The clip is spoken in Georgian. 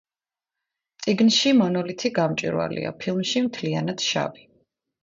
წიგნში მონოლითი გამჭვირვალეა, ფილმში მთლიანად შავი.